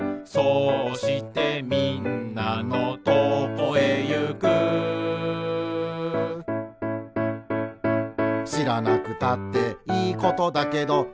「そうしてみんなのとこへゆく」「しらなくたっていいことだけど」